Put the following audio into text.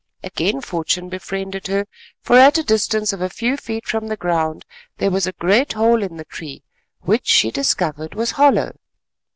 Again fortune befriended her, for at a distance of a few feet from the ground there was a great hole in the tree which, she discovered, was hollow.